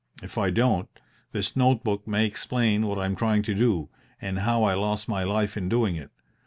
If I don't, this note book may explain what I am trying to do, and how I lost my life in doing it.